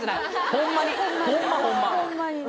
ホンマホンマホンマに？